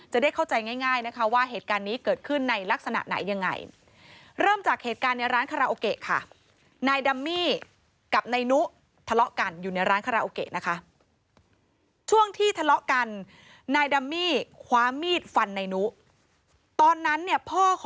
จะได้เข้าใจง่ายว่าเหตุการณ์นี้